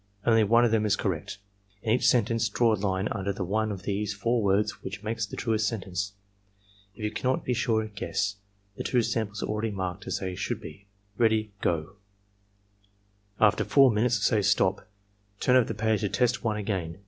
Only one of them is correct. In each sentence draw a line under the one of these four words which makes the truest sentence. If you cannot be sure, guess. The two samples are already marked as they should be.'— Ready— Go!" After 4 minutes, say "STOP! Turn over the page to Test 1 again.